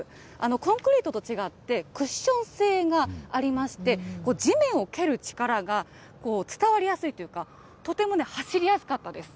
コンクリートと違ってクッション性がありまして、地面を蹴る力が伝わりやすいというか、とてもね、走りやすかったです。